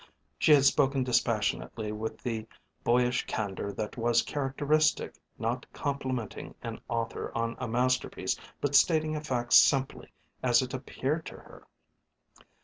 She had spoken dispassionately with the boyish candour that was characteristic, not complimenting an author on a masterpiece, but stating a fact simply, as it appeared to her.